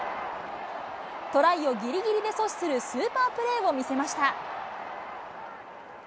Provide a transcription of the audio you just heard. トライをぎりぎりで阻止するスーパープレーを見せました。